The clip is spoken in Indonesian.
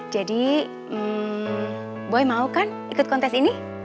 boy mau kan ikut kontes ini